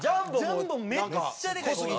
ジャンボめっちゃでかい。